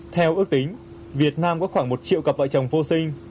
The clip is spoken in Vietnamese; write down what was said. theo ước tính việt nam có khoảng một triệu cặp vợ chồng vô sinh